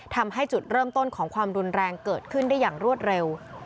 ทำให้จุดเริ่มต้นของความรุนแรงเกิดขึ้นได้อย่างรวดเร็ว